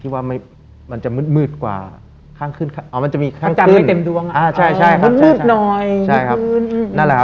ข้างแหลมแต่ล่ะหรือเปล่า